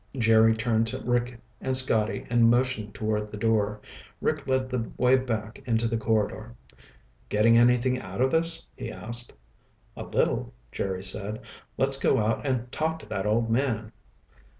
Jerry turned to Rick and Scotty and motioned toward the door. Rick led the way back into the corridor. "Getting anything out of this?" he asked. "A little," Jerry said. "Let's go out and talk to that old man."